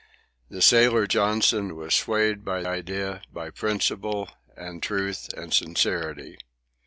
The sailor Johnson was swayed by idea, by principle, and truth, and sincerity.